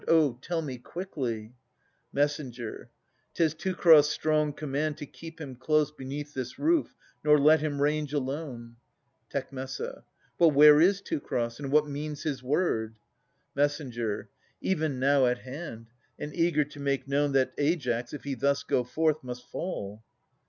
Oh ! tell me quickly ! Mess. 'Tis Teucer's strong command to keep him close Beneath this roof, nor let him range alone. Tec. But where is Teucer ? and what means his word ? Mess. Even now at hand, and eager to make known That Aias, if he thus go forth, must fall.